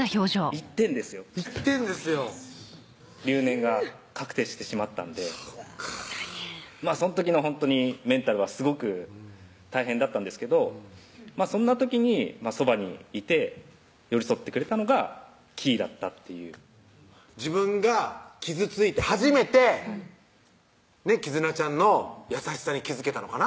１点ですよ留年が確定してしまったんでそっかその時のほんとにメンタルはすごく大変だったんですけどそんな時にそばにいて寄り添ってくれたのがきぃだったっていう自分が傷ついて初めて真如月ちゃんの優しさに気付けたのかな？